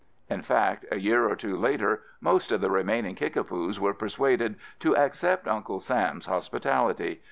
In fact a year or two later most of the remaining Kickapoos were persuaded to accept Uncle Sam's hospitality.